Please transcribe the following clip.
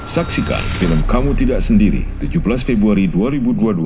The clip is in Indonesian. saksikan film kamu tidak sendiri tujuh belas februari dua ribu dua puluh dua